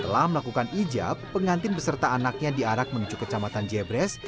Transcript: setelah melakukan ijab pengantin beserta anaknya diarak menuju kecamatan jebres